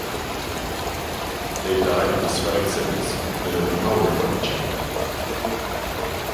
They died of the sweating sickness within an hour of each other.